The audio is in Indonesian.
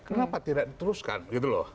kenapa tidak diteruskan gitu loh